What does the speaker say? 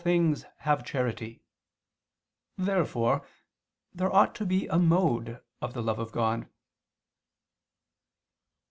things, have charity." Therefore there ought to be a mode of the love of God.